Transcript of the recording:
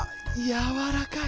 やわらかい。